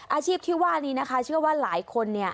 อาชีพที่ว่านี้นะคะเชื่อว่าหลายคนเนี่ย